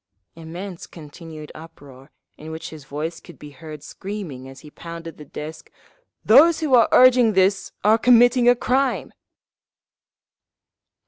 Immense continued uproar, in which his voice could be heard screaming, as he pounded the desk, "Those who are urging this are committing a crime!"